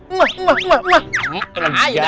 emah emah emah